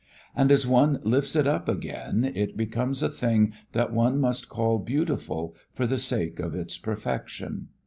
And as one lifts it up again it becomes a thing that one must call beautiful for the sake of its perfection.